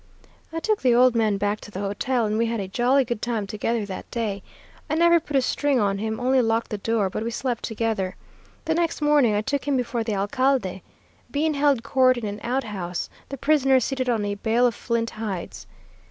I took the old man back to the hotel, and we had a jolly good time together that day. I never put a string on him, only locked the door, but we slept together. The next morning I took him before the alcalde. Bean held court in an outhouse, the prisoner seated on a bale of flint hides.